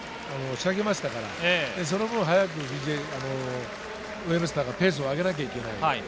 仕掛けましたからその分早く、ウェブスターがペースを上げなきゃいけない。